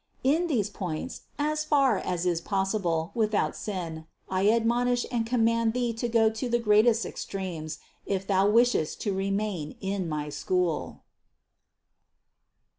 In these points, as far as is possible without sin, I admonish and command thee to go to the greatest extremes, if thou wishest to remain in my school.